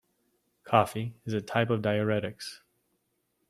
Coffee is a type of Diuretics.